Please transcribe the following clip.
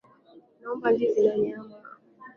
Naomba ndizi na nyama.